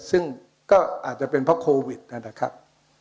ซึ่งก็อาจจะเป็นเพราะโควิดนะครับ